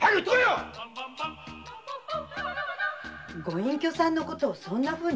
隠居さんの事をそんなふうに。